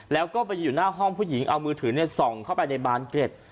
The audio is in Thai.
แล้วก็ไปอยู่หน้าห้องผู้หญิงเอามือถือส่องเข้าไปในบานเกร็ด